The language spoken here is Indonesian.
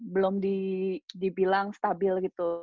belum dibilang stabil gitu